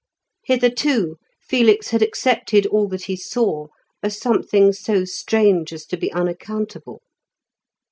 Hitherto Felix had accepted all that he saw as something so strange as to be unaccountable.